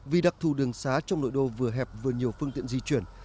vì đặc thù đường xá trong nội đô vừa hẹp vừa nhiều phương tiện di chuyển